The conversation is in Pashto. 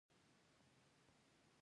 شهزاده داراشکوه په یوه کور کې قید و.